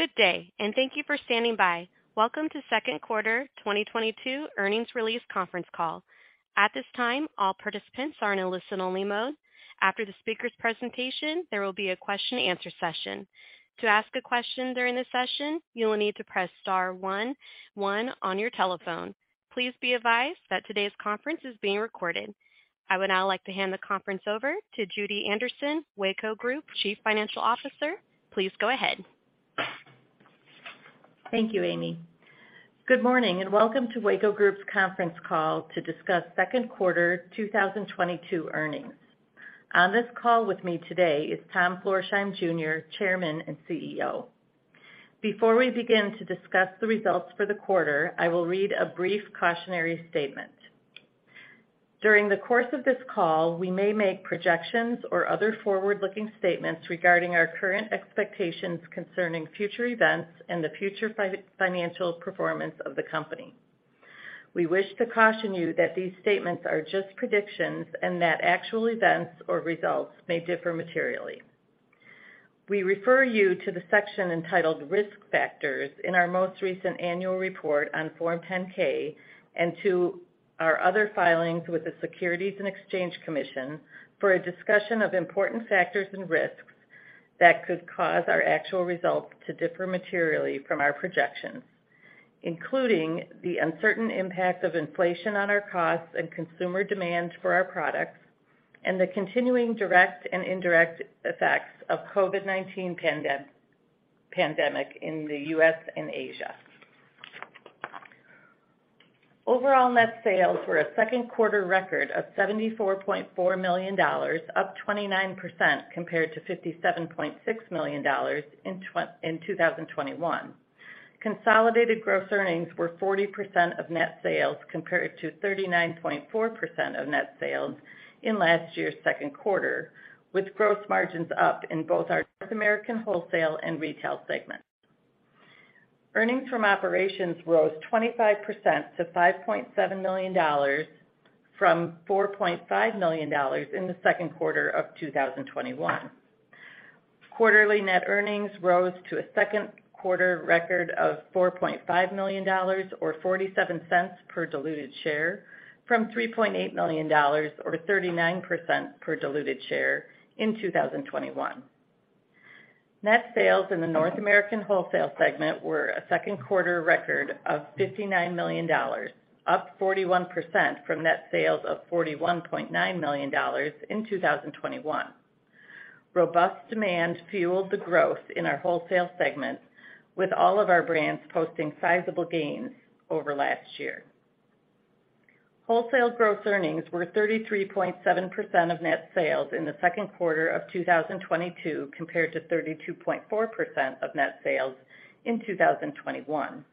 Good day, and thank you for standing by. Welcome to second quarter 2022 earnings release conference call. At this time, all participants are in a listen-only mode. After the speaker's presentation, there will be a question and answer session. To ask a question during the session, you will need to press star one one on your telephone. Please be advised that today's conference is being recorded. I would now like to hand the conference over to Judy Anderson, Weyco Group Chief Financial Officer. Please go ahead. Thank you, Amy. Good morning, and welcome to Weyco Group's conference call to discuss second quarter 2022 earnings. On this call with me today is Tom Florsheim Jr., Chairman and CEO. Before we begin to discuss the results for the quarter, I will read a brief cautionary statement. During the course of this call, we may make projections or other forward-looking statements regarding our current expectations concerning future events and the future financial performance of the company. We wish to caution you that these statements are just predictions and that actual events or results may differ materially. We refer you to the section entitled Risk Factors in our most recent annual report on Form 10-K and to our other filings with the Securities and Exchange Commission for a discussion of important factors and risks that could cause our actual results to differ materially from our projections, including the uncertain impact of inflation on our costs and consumer demand for our products and the continuing direct and indirect effects of COVID-19 pandemic in the U.S. and Asia. Overall net sales were a second quarter record of $74.4 million, up 29% compared to $57.6 million in 2021. Consolidated gross earnings were 40% of net sales, compared to 39.4% of net sales in last year's second quarter, with gross margins up in both our North American wholesale and retail segments. Earnings from operations rose 25% to $5.7 million from $4.5 million in the second quarter of 2021. Quarterly net earnings rose to a second quarter record of $4.5 million or $0.47 per diluted share from $3.8 million or $0.39 Per diluted share in 2021. Net sales in the North American wholesale segment were a second quarter record of $59 million, up 41% from net sales of $41.9 million in 2021. Robust demand fueled the growth in our wholesale segment, with all of our brands posting sizable gains over last year. Wholesale gross earnings were 33.7% of net sales in the second quarter of 2022, compared to 32.4% of net sales in 2021.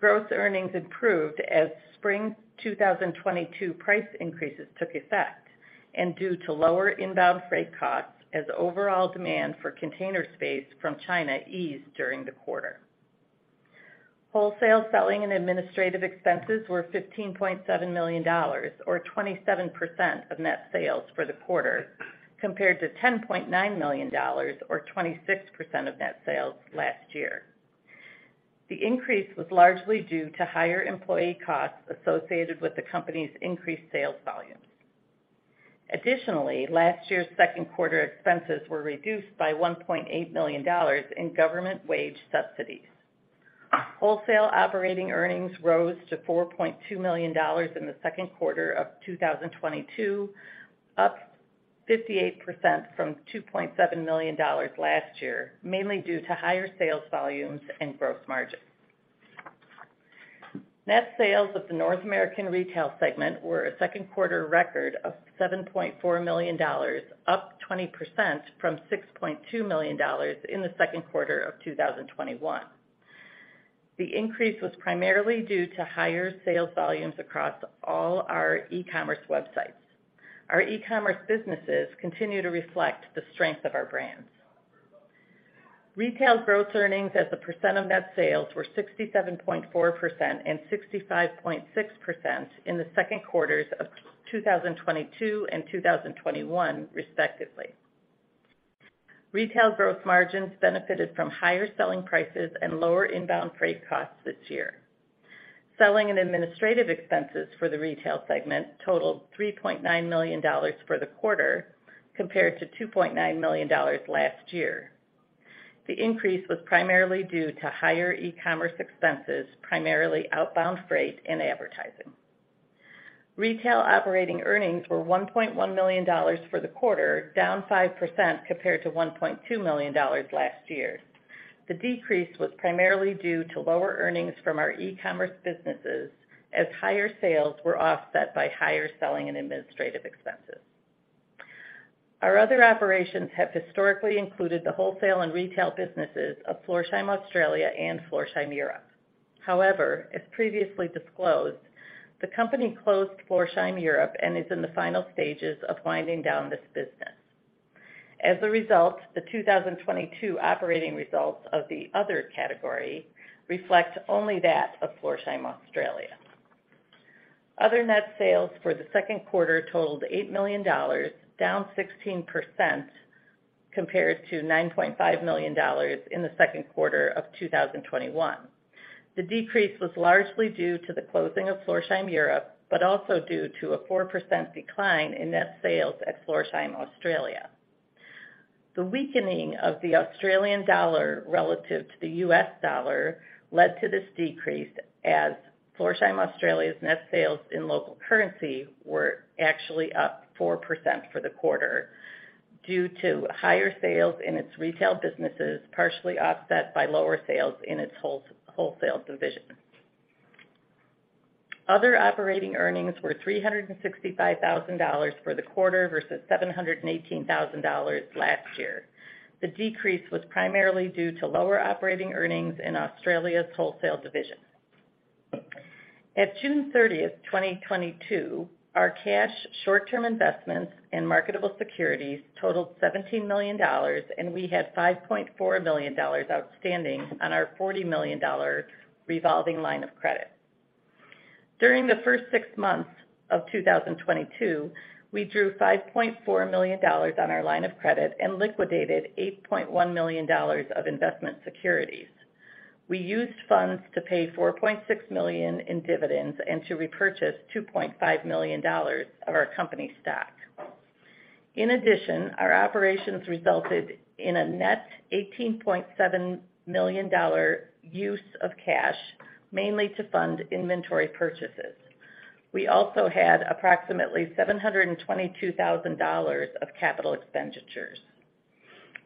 Gross earnings improved as spring 2022 price increases took effect and due to lower inbound freight costs as overall demand for container space from China eased during the quarter. Wholesale selling and administrative expenses were $15.7 million, or 27% of net sales for the quarter, compared to $10.9 million or 26% of net sales last year. The increase was largely due to higher employee costs associated with the company's increased sales volumes. Additionally, last year's second quarter expenses were reduced by $1.8 million in government wage subsidies. Wholesale operating earnings rose to $4.2 million in the second quarter of 2022, up 58% from $2.7 million last year, mainly due to higher sales volumes and gross margins. Net sales of the North American retail segment were a second quarter record of $7.4 million, up 20% from $6.2 million in the second quarter of 2021. The increase was primarily due to higher sales volumes across all our e-commerce websites. Our e-commerce businesses continue to reflect the strength of our brands. Retail gross earnings as a percent of net sales were 67.4% and 65.6% in the second quarters of 2022 and 2021, respectively. Retail gross margins benefited from higher selling prices and lower inbound freight costs this year. Selling and administrative expenses for the retail segment totaled $3.9 million for the quarter, compared to $2.9 million last year. The increase was primarily due to higher e-commerce expenses, primarily outbound freight and advertising. Retail operating earnings were $1.1 million for the quarter, down 5% compared to $1.2 million last year. The decrease was primarily due to lower earnings from our e-commerce businesses as higher sales were offset by higher selling and administrative expenses. Our other operations have historically included the wholesale and retail businesses of Florsheim Australia and Florsheim Europe. However, as previously disclosed, the company closed Florsheim Europe and is in the final stages of winding down this business. As a result, the 2022 operating results of the other category reflect only that of Florsheim Australia. Other net sales for the second quarter totaled $8 million, down 16% compared to $9.5 million in the second quarter of 2021. The decrease was largely due to the closing of Florsheim Europe, but also due to a 4% decline in net sales at Florsheim Australia. The weakening of the Australian dollar relative to the US dollar led to this decrease as Florsheim Australia's net sales in local currency were actually up 4% for the quarter due to higher sales in its retail businesses, partially offset by lower sales in its wholesale division. Other operating earnings were $365,000 for the quarter versus $718,000 last year. The decrease was primarily due to lower operating earnings in Australia's wholesale division. At June 30th, 2022, our cash short-term investments in marketable securities totaled $17 million, and we had $5.4 million outstanding on our $40 million revolving line of credit. During the first six months of 2022, we drew $5.4 million on our line of credit and liquidated $8.1 million of investment securities. We used funds to pay $4.6 million in dividends and to repurchase $2.5 million of our company stock. In addition, our operations resulted in a net $18.7 million use of cash, mainly to fund inventory purchases. We also had approximately $722,000 of capital expenditures.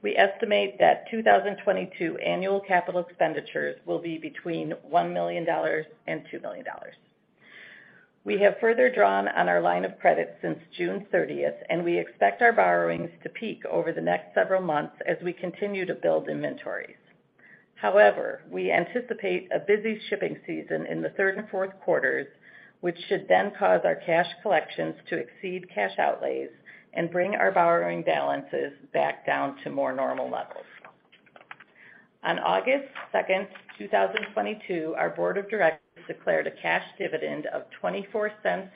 We estimate that 2022 annual capital expenditures will be between $1 million and $2 million. We have further drawn on our line of credit since June 30th, and we expect our borrowings to peak over the next several months as we continue to build inventories. However, we anticipate a busy shipping season in the third and fourth quarters, which should then cause our cash collections to exceed cash outlays and bring our borrowing balances back down to more normal levels. On August 2nd, 2022, our board of directors declared a cash dividend of $0.24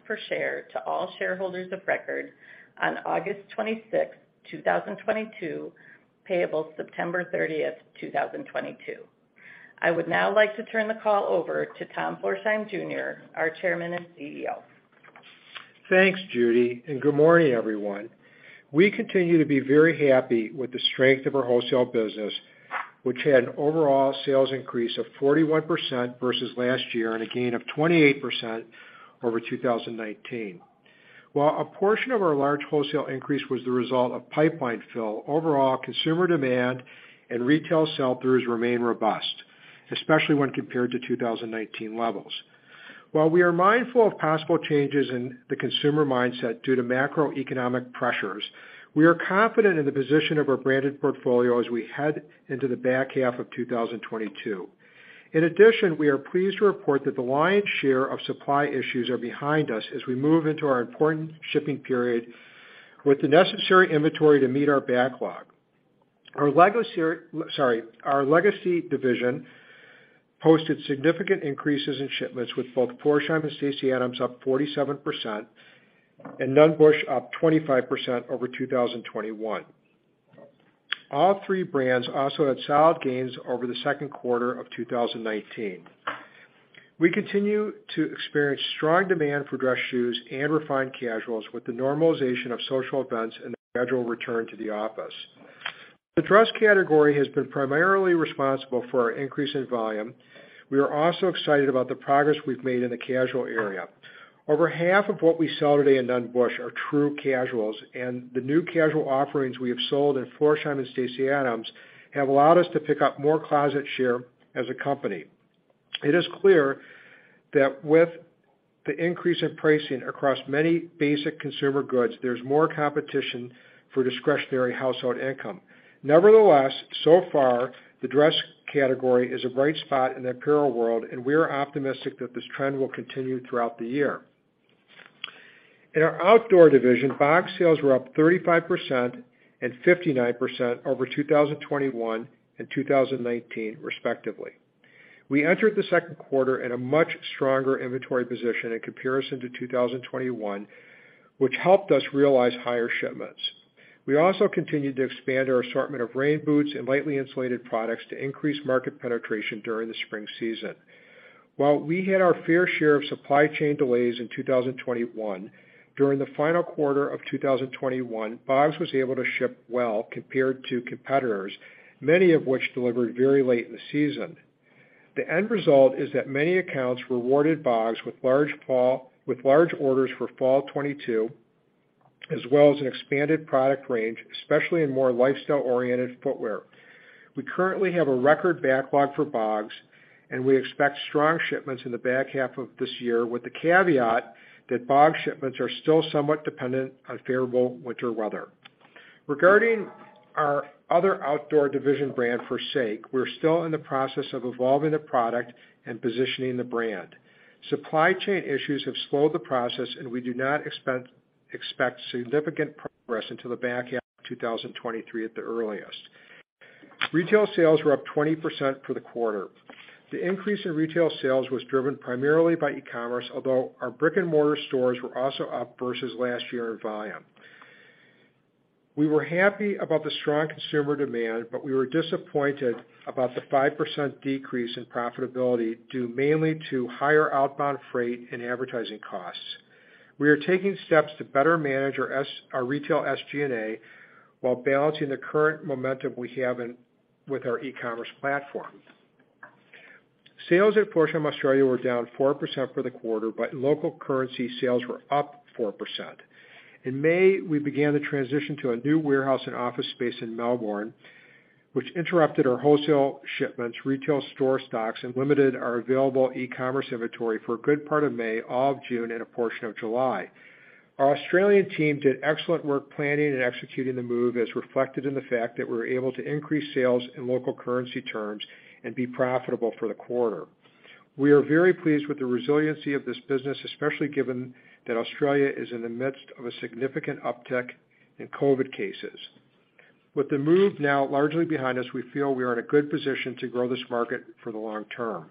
per share to all shareholders of record on August 26th, 2022, payable September 30th, 2022. I would now like to turn the call over to Tom Florsheim Jr., our Chairman and CEO. Thanks, Judy, and good morning, everyone. We continue to be very happy with the strength of our wholesale business, which had an overall sales increase of 41% versus last year and a gain of 28% over 2019. While a portion of our large wholesale increase was the result of pipeline fill, overall consumer demand and retail sell-throughs remain robust, especially when compared to 2019 levels. While we are mindful of possible changes in the consumer mindset due to macroeconomic pressures, we are confident in the position of our branded portfolio as we head into the back half of 2022. In addition, we are pleased to report that the lion's share of supply issues are behind us as we move into our important shipping period with the necessary inventory to meet our backlog. Our Legacy. Our Legacy division posted significant increases in shipments with both Florsheim and Stacy Adams up 47% and Nunn Bush up 25% over 2021. All three brands also had solid gains over the second quarter of 2019. We continue to experience strong demand for dress shoes and refined casuals with the normalization of social events and the gradual return to the office. The dress category has been primarily responsible for our increase in volume. We are also excited about the progress we've made in the casual area. Over half of what we sell today in Nunn Bush are true casuals, and the new casual offerings we have sold in Florsheim and Stacy Adams have allowed us to pick up more closet share as a company. It is clear that with the increase in pricing across many basic consumer goods, there's more competition for discretionary household income. Nevertheless, so far, the dress category is a bright spot in the apparel world, and we are optimistic that this trend will continue throughout the year. In our outdoor division, BOGS sales were up 35% and 59% over 2021 and 2019 respectively. We entered the second quarter in a much stronger inventory position in comparison to 2021, which helped us realize higher shipments. We also continued to expand our assortment of rain boots and lightly insulated products to increase market penetration during the spring season. While we had our fair share of supply chain delays in 2021, during the final quarter of 2021, BOGS was able to ship well compared to competitors, many of which delivered very late in the season. The end result is that many accounts rewarded BOGS with large orders for fall 2022, as well as an expanded product range, especially in more lifestyle-oriented footwear. We currently have a record backlog for BOGS, and we expect strong shipments in the back half of this year, with the caveat that BOGS shipments are still somewhat dependent on favorable winter weather. Regarding our other outdoor division brand, Forsake, we're still in the process of evolving the product and positioning the brand. Supply chain issues have slowed the process and we do not expect significant progress until the back half of 2023 at the earliest. Retail sales were up 20% for the quarter. The increase in retail sales was driven primarily by e-commerce, although our brick-and-mortar stores were also up versus last year in volume. We were happy about the strong consumer demand, but we were disappointed about the 5% decrease in profitability, due mainly to higher outbound freight and advertising costs. We are taking steps to better manage our retail SG&A while balancing the current momentum we have with our e-commerce platform. Sales at Florsheim Australia were down 4% for the quarter, but local currency sales were up 4%. In May, we began the transition to a new warehouse and office space in Melbourne, which interrupted our wholesale shipments, retail store stocks, and limited our available e-commerce inventory for a good part of May, all of June, and a portion of July. Our Australian team did excellent work planning and executing the move, as reflected in the fact that we were able to increase sales in local currency terms and be profitable for the quarter. We are very pleased with the resiliency of this business, especially given that Australia is in the midst of a significant uptick in COVID cases. With the move now largely behind us, we feel we are in a good position to grow this market for the long term.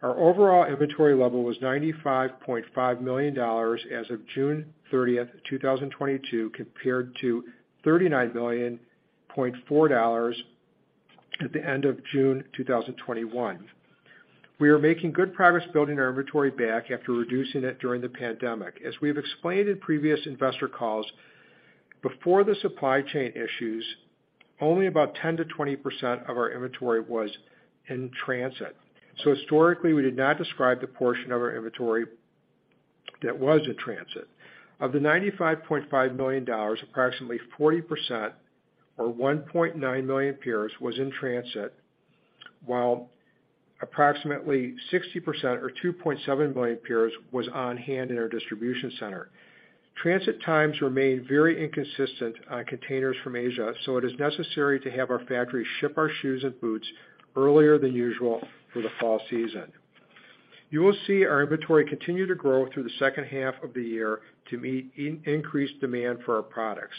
Our overall inventory level was $95.5 million as of June 30th, 2022, compared to $39.4 million at the end of June 2021. We are making good progress building our inventory back after reducing it during the pandemic. As we have explained in previous investor calls, before the supply chain issues, only about 10%-20% of our inventory was in transit, so historically, we did not describe the portion of our inventory that was in transit. Of the $95.5 million, approximately 40%, or 1.9 million pairs, was in transit, while approximately 60%, or 2.7 million pairs, was on hand in our distribution center. Transit times remain very inconsistent on containers from Asia, so it is necessary to have our factory ship our shoes and boots earlier than usual for the fall season. You will see our inventory continue to grow through the second half of the year to meet increased demand for our products.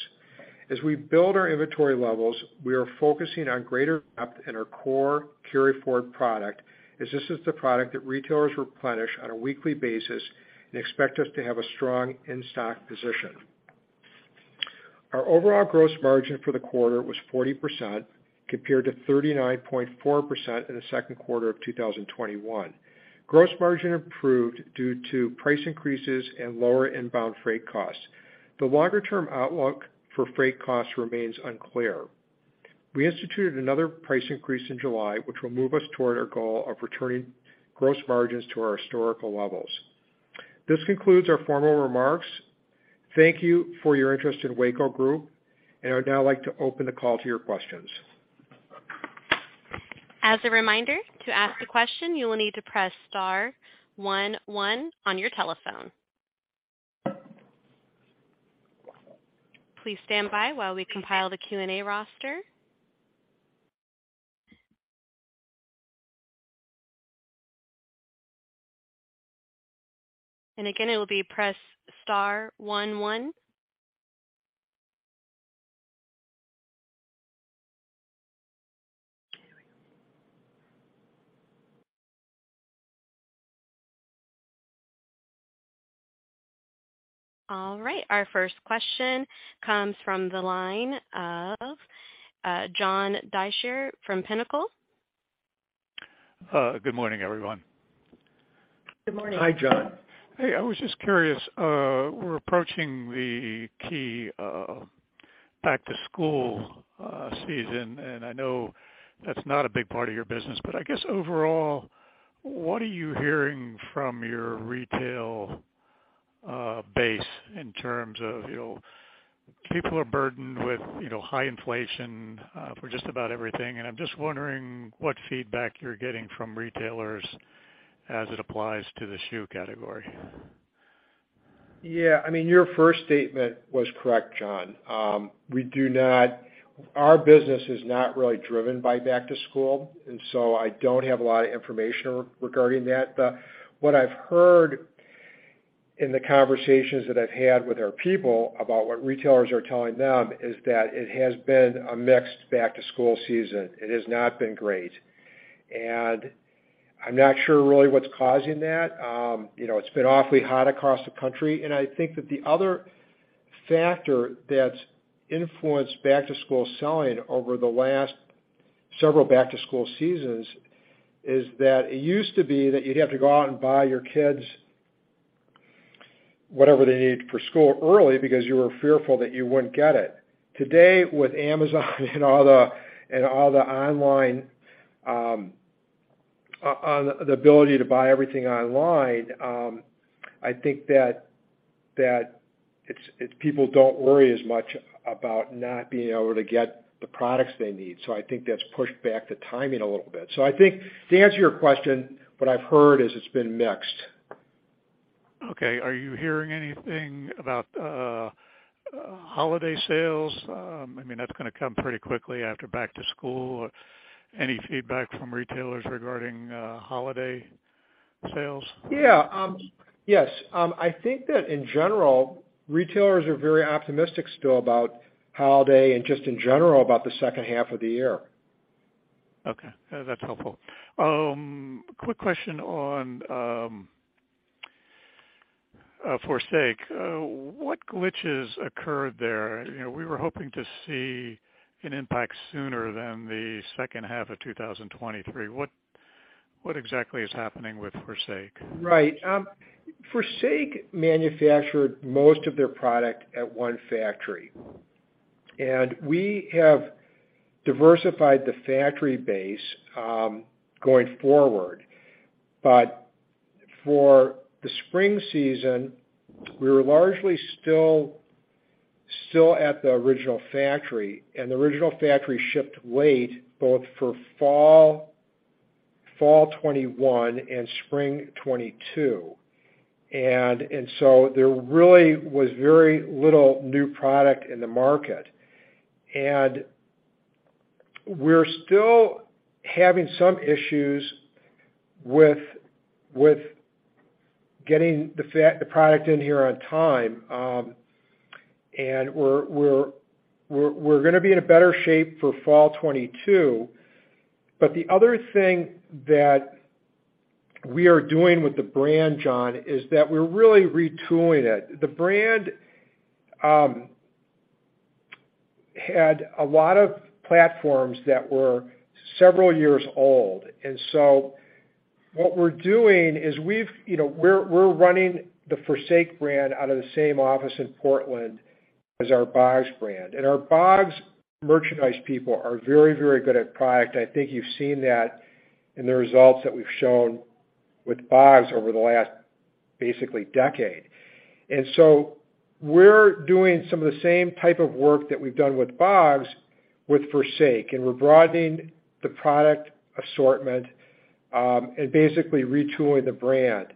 As we build our inventory levels, we are focusing on greater depth in our core carry-forward product, as this is the product that retailers replenish on a weekly basis and expect us to have a strong in-stock position. Our overall gross margin for the quarter was 40% compared to 39.4% in the second quarter of 2021. Gross margin improved due to price increases and lower inbound freight costs. The longer term outlook for freight costs remains unclear. We instituted another price increase in July, which will move us toward our goal of returning gross margins to our historical levels. This concludes our formal remarks. Thank you for your interest in Weyco Group. I'd now like to open the call to your questions. As a reminder, to ask a question, you will need to press star one one on your telephone. Please stand by while we compile the Q&A roster. Again, it'll be press star one one. All right, our first question comes from the line of John Deysher from Pinnacle. Good morning, everyone. Good morning. Hi, John. Hey, I was just curious. We're approaching the key back to school season, and I know that's not a big part of your business, but I guess overall, what are you hearing from your retail base in terms of, you know, people are burdened with, you know, high inflation for just about everything, and I'm just wondering what feedback you're getting from retailers as it applies to the shoe category? Yeah, I mean, your first statement was correct, John. Our business is not really driven by back to school, and so I don't have a lot of information regarding that. What I've heard in the conversations that I've had with our people about what retailers are telling them is that it has been a mixed back to school season. It has not been great. I'm not sure really what's causing that. You know, it's been awfully hot across the country. I think that the other factor that's influenced back to school selling over the last several back to school seasons is that it used to be that you'd have to go out and buy your kids whatever they need for school early because you were fearful that you wouldn't get it. Today, with Amazon and all the online, the ability to buy everything online, I think that it's people don't worry as much about not being able to get the products they need. I think that's pushed back the timing a little bit. I think to answer your question, what I've heard is it's been mixed. Okay. Are you hearing anything about holiday sales? I mean, that's gonna come pretty quickly after back to school. Any feedback from retailers regarding holiday? Yeah. Yes. I think that in general, retailers are very optimistic still about holiday and just in general about the second half of the year. Okay. That's helpful. Quick question on Forsake. What glitches occurred there? You know, we were hoping to see an impact sooner than the second half of 2023. What exactly is happening with Forsake? Right. Forsake manufactured most of their product at one factory, and we have diversified the factory base, going forward. For the spring season, we were largely still at the original factory, and the original factory shipped late both for fall 2021 and spring 2022. There really was very little new product in the market. We're still having some issues with getting the product in here on time. We're gonna be in a better shape for fall 2022. The other thing that we are doing with the brand, John, is that we're really retooling it. The brand had a lot of platforms that were several years old. What we're doing is you know, we're running the Forsake brand out of the same office in Portland as our BOGS brand. Our BOGS merchandise people are very, very good at product. I think you've seen that in the results that we've shown with BOGS over the last basically decade. We're doing some of the same type of work that we've done with BOGS with Forsake, and we're broadening the product assortment and basically retooling the brand.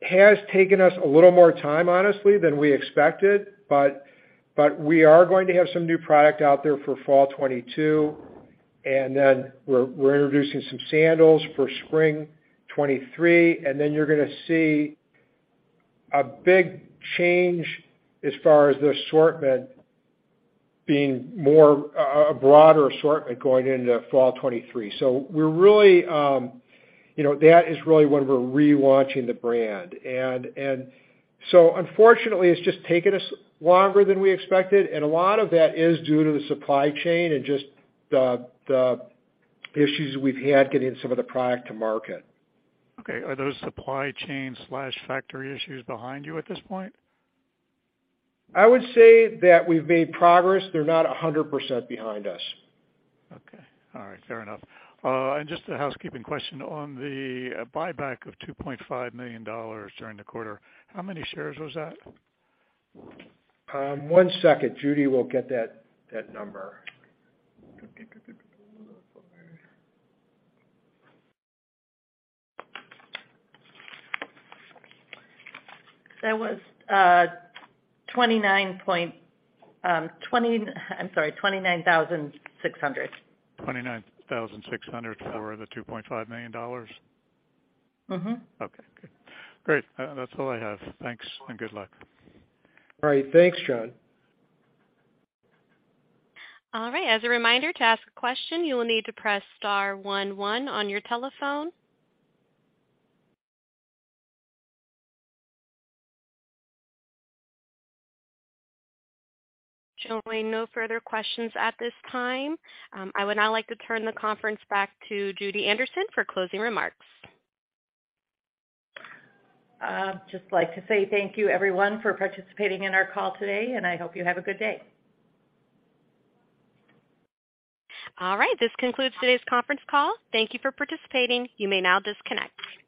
It has taken us a little more time, honestly, than we expected, but we are going to have some new product out there for fall 2022. Then we're introducing some sandals for spring 2023, and then you're gonna see a big change as far as the assortment being more a broader assortment going into fall 2023. We're really, you know, that is really when we're relaunching the brand. Unfortunately, it's just taken us longer than we expected, and a lot of that is due to the supply chain and just the issues we've had getting some of the product to market. Okay. Are those supply chain/factory issues behind you at this point? I would say that we've made progress. They're not 100% behind us. Okay. All right. Fair enough. Just a housekeeping question. On the buyback of $2.5 million during the quarter, how many shares was that? One second. Judy will get that number. That was 29,600. 29,600 for the $2.5 million dollars? Mm-hmm. Okay, great. That's all I have. Thanks and good luck. All right. Thanks, John. All right. As a reminder, to ask a question, you will need to press star one one on your telephone. Showing no further questions at this time. I would now like to turn the conference back to Judy Anderson for closing remarks. I'd just like to say thank you, everyone, for participating in our call today, and I hope you have a good day. All right. This concludes today's conference call. Thank you for participating. You may now disconnect.